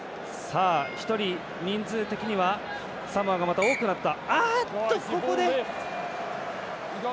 １人、人数的にはサモアが、また多くなった。